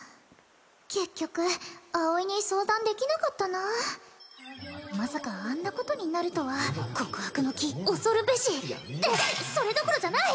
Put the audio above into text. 結局葵に相談できなかったなまさかあんなことになるとは告白の木恐るべしってそれどころじゃない！